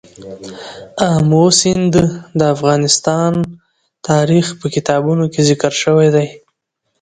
آمو سیند د افغان تاریخ په کتابونو کې ذکر شوی دی.